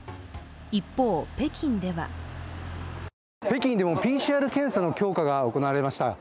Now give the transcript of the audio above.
一方、北京では北京でもＰＣＲ検査の強化が行われました。